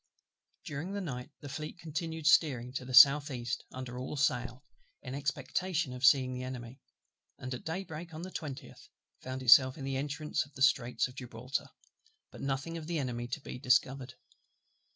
During the night the Fleet continued steering to the south east under all sail, in expectation of seeing the Enemy; and at day break on the 20th found itself in the entrance of the Straits of Gibraltar, but nothing of the Enemy to be discovered.